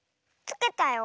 つけたよ。